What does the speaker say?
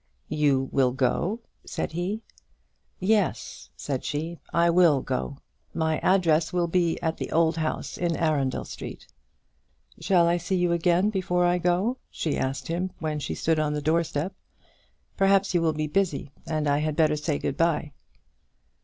"You will go?" said he. "Yes," said she; "I will go. My address will be at the old house in Arundel Street. Shall I see you again before I go?" she asked him, when she stood on the doorstep. "Perhaps you will be busy, and I had better say goodbye."